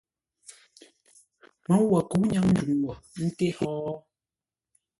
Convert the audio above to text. Môu wo kə̌u ńnyáŋ ndwuŋ wo ńté hó.